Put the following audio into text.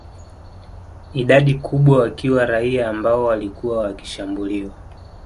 Idadi kubwa wakiwa raia ambao walikuwa wakishambuliwa